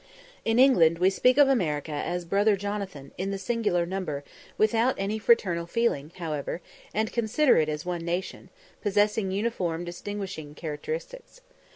In England we speak of America as "Brother Jonathan" in the singular number, without any fraternal feeling however, and consider it as one nation, possessing uniform distinguishing characteristics.